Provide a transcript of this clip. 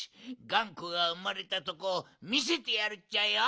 がんこがうまれたとこをみせてやるっちゃよ！